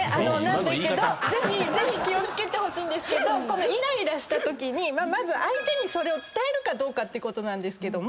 なんだけどぜひ気を付けてほしいですけどイライラしたときにまず相手にそれを伝えるかどうかですけど。